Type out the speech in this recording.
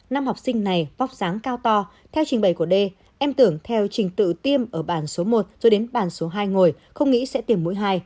nam học sinh này vóc dáng cao to theo trình bày của d em tưởng theo trình tự tiêm ở bản số một rồi đến bản số hai ngồi không nghĩ sẽ tiêm mũi hai